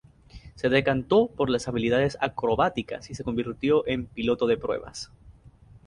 Se decantó por las habilidades acrobáticas y se convirtió en piloto de pruebas.